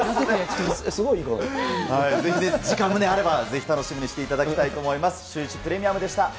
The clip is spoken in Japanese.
ぜひね、時間もあればぜひ楽しみにしていただきたいと思います。